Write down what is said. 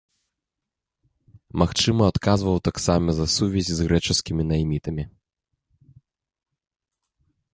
Магчыма, адказваў таксама за сувязі з грэчаскімі наймітамі.